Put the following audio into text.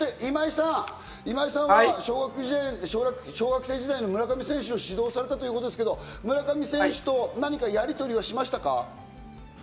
そして今井さん、今井さんは小学生時代の村上選手を指導されたということですけど、村上選手と何かやり取りはしましたか？